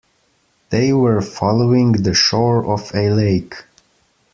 They were following the shore of a lake.